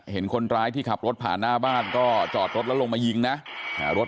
เห็นคนร้ายที่ขับรถผ่านหน้าบ้านก็จอดรถแล้วลงมายิงนะรถ